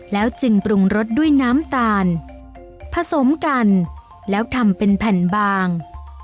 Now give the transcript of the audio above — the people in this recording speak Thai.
แล้วจึงปรุงรสด้วยน้ำตาลผสมกันแล้วทำเป็นแผ่นบาง